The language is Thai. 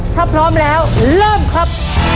ถ้าพร้อมแล้วเริ่มครับ